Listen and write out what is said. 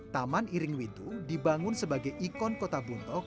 taman iring witu dibangun sebagai ikon kota buntok